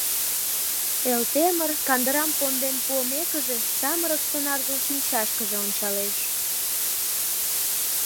— Элтемыр, кандырам конден пуымекше, самырык сонарзын шинчашкыже ончалеш.